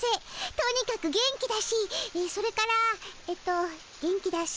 とにかく元気だしそれからえっと元気だし。